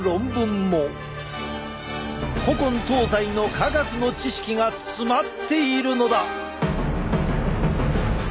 古今東西の科学の知識が詰まっているのだ！